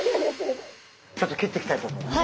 ちょっと切っていきたいと思います。